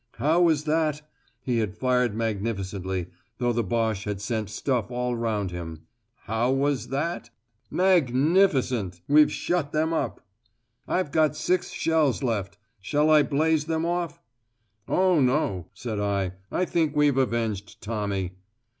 How was that? He had fired magnificently, though the Boche had sent stuff all round him. How was that? "Magnificent! We've shut them up." "I've got six shells left. Shall I blaze them off?" "Oh, no!" said I; "I think we've avenged Tommy."